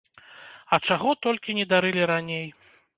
А чаго толькі не дарылі раней!